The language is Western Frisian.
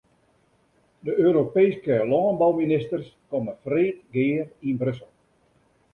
De Europeeske lânbouministers komme freed gear yn Brussel.